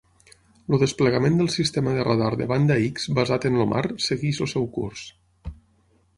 El desplegament del sistema de radar de banda X basat en el mar segueix el seu curs.